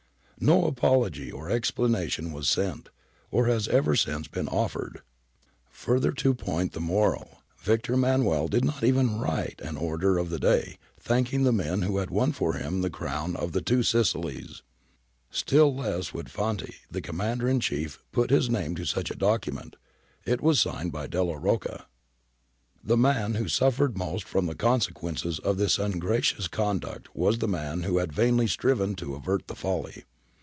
No apology or explanation was sent, or has ever since been offered. Further to point the moral, Victor Emman ' Chtala, iv. 34. GARIBALDI, FANTI, AND CAVOUR 279 uel did not even write an order of the day thanking the men who had won for him the crown of the Two Sicilies. Still less would Fanti, the commander in chief, put his name to such a document. It was signed by Delia Rocca.^ The man who suffered most from the consequences of this ungracious conduct was the man who had vainly striven to avert the folly.